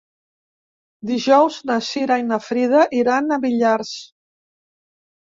Dijous na Cira i na Frida iran a Millars.